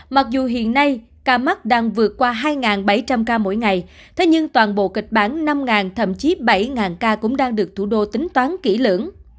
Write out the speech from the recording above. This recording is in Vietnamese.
mặc dù hiện nay ca mắc đang vượt qua hai bảy trăm linh ca mỗi ngày thế nhưng toàn bộ kịch bản năm thậm chí bảy ca cũng đang được thủ đô tính toán kỹ lưỡng